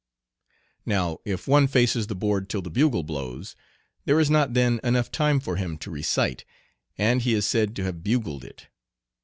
Now, if one faces the board till the bugle blows, there is not then enough time for him to recite, and he is said to have "bugled it."